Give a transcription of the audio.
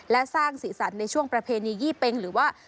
และสร้างสีสันในช่วงประเพณียี่เป็งหรือว่า